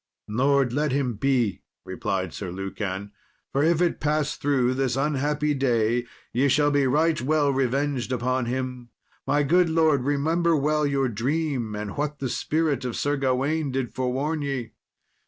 "Lord, let him be," replied Sir Lucan; "for if ye pass through this unhappy day, ye shall be right well revenged upon him. My good lord, remember well your dream, and what the spirit of Sir Gawain did forewarn ye."